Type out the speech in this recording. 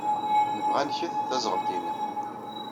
Nebɣa ad nket taẓɣelt-nnem.